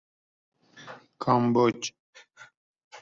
کامبوج